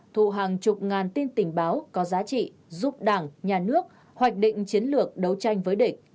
thu hàng chục ngàn tin tình báo có giá trị giúp đảng nhà nước hoạch định chiến lược đấu tranh với địch